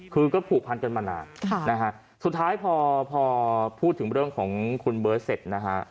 คือก็ผูกพันกันมานานนะฮะสุดท้ายพอพอพูดถึงเรื่องของคุณเบิร์ตเสร็จนะฮะ